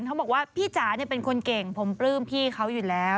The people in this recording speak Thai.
เขาบอกว่าพี่จ๋าเป็นคนเก่งผมปลื้มพี่เขาอยู่แล้ว